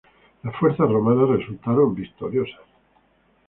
Las fuerzas romanas resultaron victoriosas.